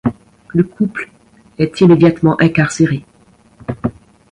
Le couple est immédiatement incarcéré.